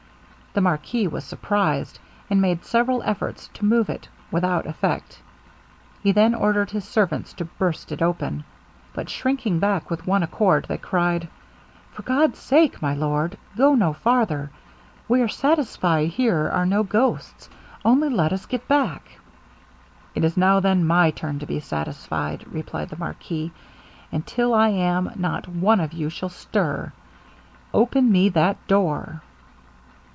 The marquis was surprized, and made several efforts to move it, without effect. He then ordered his servants to burst it open, but, shrinking back with one accord, they cried, 'For God's sake, my lord, go no farther; we are satisfied here are no ghosts, only let us get back.' 'It is now then my turn to be satisfied,' replied the marquis, 'and till I am, not one of you shall stir. Open me that door.'